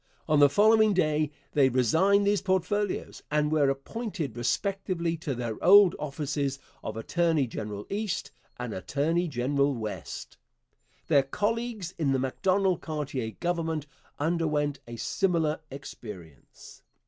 On the following day they resigned these portfolios and were appointed respectively to their old offices of attorney general East and attorney general West. Their colleagues in the Macdonald Cartier Government underwent a similar experience.